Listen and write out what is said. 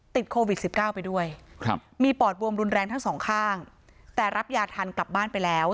ติดโควิดสิบเก้าไปด้วยครับมีปอดบวมรุนแรงทั้งสองข้างแต่รับยาทันกลับบ้านไปแล้ว